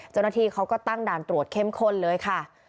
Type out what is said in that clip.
เจ้าหน้าที่เขาก็ตั้งด่านตรวจเข้มข้นเลยค่ะ